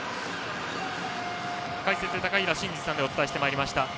解説、高平慎士さんでお伝えしてまいりました。